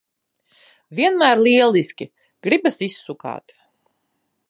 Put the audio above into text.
Vienmēr lieliski! Gribas izsukāt.